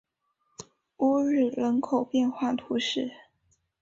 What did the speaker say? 乌日人口变化图示